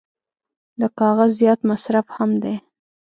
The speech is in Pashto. د کاغذ زیات مصرف هم دی.